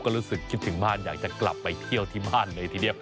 ก็รู้สึกคิดถึงบ้านอยากจะกลับไปเที่ยวที่บ้านเลยทีเดียว